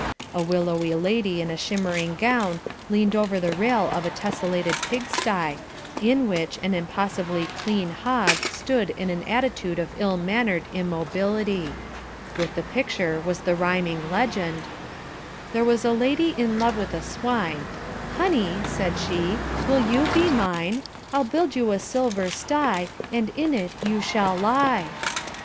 A willowy lady in a shimmering gown leaned over the rail of a tessellated pig sty, in which an impossibly clean hog stood in an attitude of ill mannered immobility. With the picture was the rhyming legend, There was a Lady in love with a swine, "Honey," said she, "will you be mine? I'll build you a silver sty And in it you shall lie."